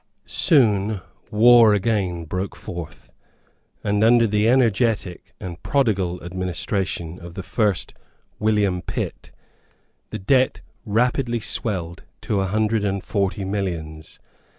Soon war again broke forth; and, under the energetic and prodigal administration of the first William Pitt, the debt rapidly swelled to a hundred and forty millions.